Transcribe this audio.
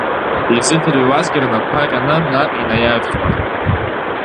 Изыӡырҩуазгьы рнапқәа ҟьаны наҟ инаиаҩсуан.